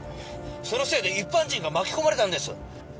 そのせいで一般人が巻き込まれたんです。